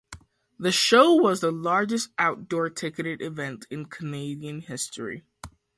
The show was the largest outdoor ticketed event in Canadian history.